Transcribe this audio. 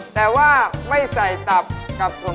แต่ว่าไม่ใส่ตับกับถุง